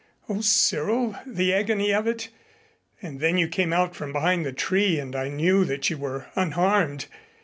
O Cyril, the agony of it! And then you came out from behind the tree and I knew that you were unharmed.